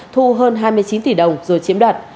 thu hơn hai mươi chín tỷ đồng rồi chiếm đoạt